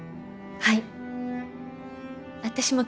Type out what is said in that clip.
はい。